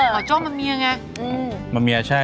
หม่อจ้อมัพเมียไง